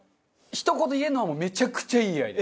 ひと言言えるのはめちゃくちゃいいアイデア。